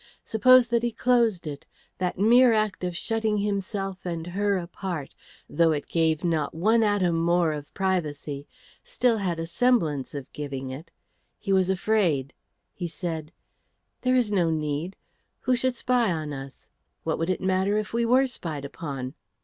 Suppose that he closed it! That mere act of shutting himself and her apart, though it gave not one atom more of privacy, still had a semblance of giving it. He was afraid. He said, "There is no need. Who should spy on us? What would it matter if we were spied upon?"